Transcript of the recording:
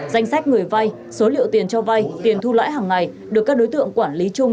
danh sách người vay số liệu tiền cho vay tiền thu lãi hàng ngày được các đối tượng quản lý chung